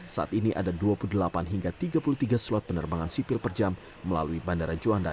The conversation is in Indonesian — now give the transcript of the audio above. saat ini ada dua puluh delapan hingga tiga puluh tiga slot penerbangan sipil per jam melalui bandara juanda